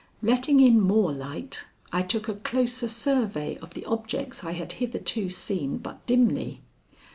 Letting in more light, I took a closer survey of the objects I had hitherto seen but dimly.